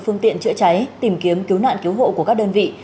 phương tiện chữa cháy tìm kiếm cứu nạn cứu hộ của các đơn vị